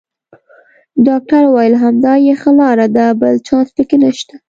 ډاکټر وویل: همدا یې ښه لار ده، بل چانس پکې نشته.